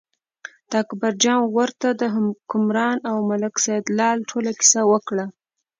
اکبرجان ورته د حکمران او ملک سیدلال ټوله کیسه وکړه.